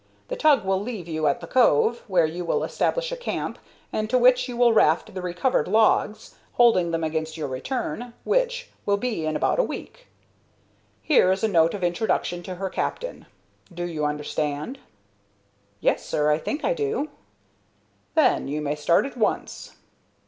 The tug will leave you at the cove, where you will establish a camp, and to which you will raft the recovered logs, holding them against her return, which will be in about a week. Here is a note of introduction to her captain. Do you understand?" "Yes, sir; I think I do." "Then you may start at once."